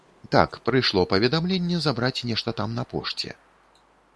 Так, прыйшло паведамленне забраць нешта там на пошце.